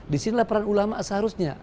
disinilah peran ulama seharusnya